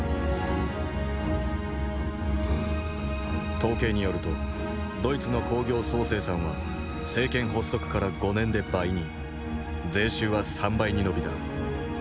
統計によるとドイツの工業総生産は政権発足から５年で倍に税収は３倍に伸びた。